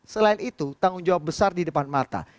selain itu tanggung jawab besar di depan mata